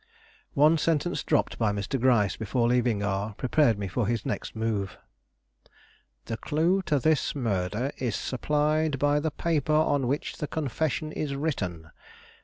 One sentence dropped by Mr. Gryce before leaving R prepared me for his next move. "The clue to this murder is supplied by the paper on which the confession is written.